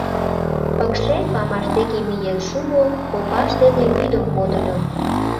Пыкше памаш деке миен шуо, копаж дене вӱдым подыльо.